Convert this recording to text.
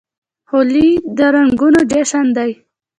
هولي د رنګونو جشن دی.